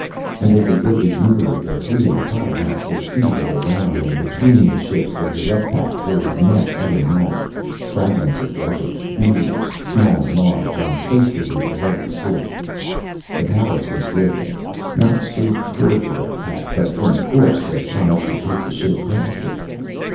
And, as they drifted nearer, the three in the pilot house could see that around and between the ships of the wreck pack floated much other matter fragments of wreckage, meteors, small and large, and space debris of every sort. The Pallas was drifting, not straight toward the wreck pack, but in a course that promised to take the ship past it.